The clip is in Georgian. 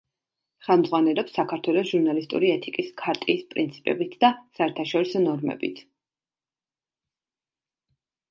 ხელმძღვანელობს საქართველოს ჟურნალისტური ეთიკის ქარტიის პრინციპებით და საერთაშორისო ნორმებით.